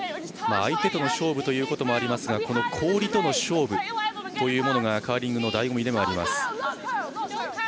相手との勝負ということもありますがこの氷との勝負というものがカーリングのだいご味です。